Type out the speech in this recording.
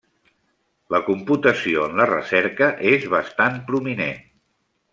La computació en la recerca és bastant prominent.